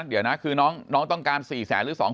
คือเดี๋ยวนะคือน้องต้องการ๔แสนหรือ๒แสนนะ